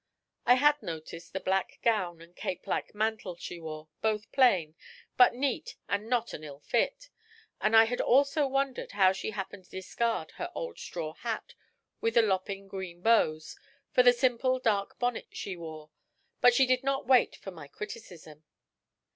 I had noted the black gown and cape like mantle she wore, both plain, but neat and not an ill fit; and I had also wondered how she had happened to discard her old straw hat with the lopping green bows for the simple dark bonnet she wore, but she did not wait for my criticism.